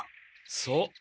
そう。